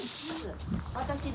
私ね